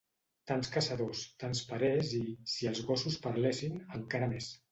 Tants caçadors, tants parers i, si els gossos parlessin, encara més.